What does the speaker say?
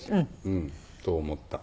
うん。と思った。